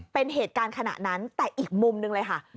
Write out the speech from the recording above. เป็นเหตุการณ์ขณะนั้นแต่อีกมุมหนึ่งเลยค่ะ